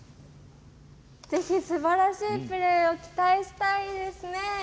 ぜひ、すばらしいプレーを期待したいですね。